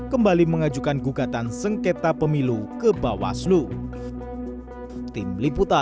kembali mengajukan gugatan sengketa pemilu ke bawah slug